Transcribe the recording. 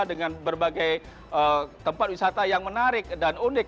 dengan berbagai tempat wisata yang menarik dan unik